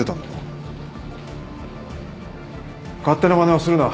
勝手なまねはするな。